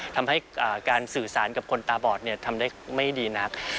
ทำให้การสื่อสารกับคนตาบอดทำได้ไม่ดีนัก